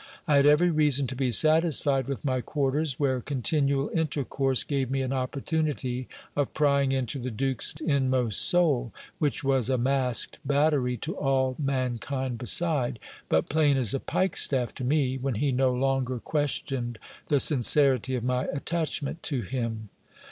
I had every reason to be satisfied with my quar ters, where continual intercourse gave me an opportunity of prying into the duke's inmost soul, which was a masked battery to all mankind beside, but plain as a pikestaff to me, when he no longer questioned the sincerity of my attachment to him.